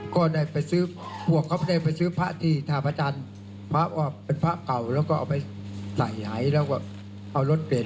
ใครบ้างคะที่มีร่วมกันในนั้น